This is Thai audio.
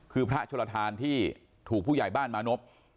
คือพระโชลทานที่ถูกผู้ใหญ่บ้านมานพ